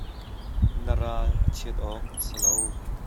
Na ral a chiat awk a si lo.